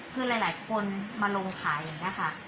คือหลายคนมาลงขายอย่างนี้ค่ะ